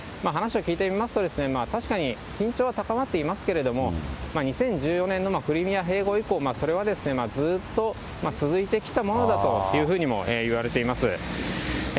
話を聞いてみますと、確かに緊張は高まっていますけれども、２０１４年のクリミア併合以降、それはずっと続いてきたものだというふうにも言われています。